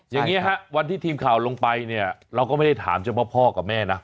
อย่างนี้ฮะวันที่ทีมข่าวลงไปเนี่ยเราก็ไม่ได้ถามเฉพาะพ่อกับแม่นะ